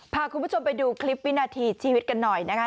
พาคุณผู้ชมไปดูคลิปวินาทีชีวิตกันหน่อยนะคะ